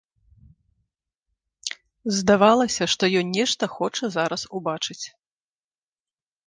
Здавалася, што ён нешта хоча зараз убачыць.